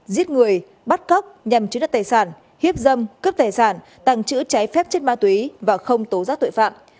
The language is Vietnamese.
giết người bắt cóc nhằm chiếm đất tài sản hiếp dâm cướp tài sản tàng trữ trái phép chất ma túy và không tố giác tội phạm